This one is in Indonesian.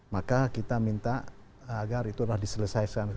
maka kita minta agar itu adalah diselesaikan